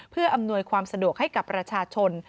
เพื่ออำนวยความสะดวกให้กับประชาชน